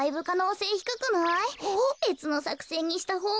べつのさくせんにしたほうが。